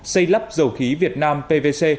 xây lắp dầu khí việt nam pvc